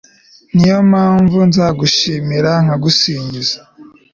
ni yo mpamvu nzagushimira nkagusingiza